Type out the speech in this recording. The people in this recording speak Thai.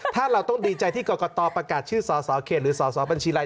ถ้าเราต้องดีใจที่กรกตประกาศชื่อสสเขตหรือสสบัญชีไล